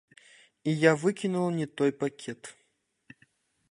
І я выкінула не той пакет.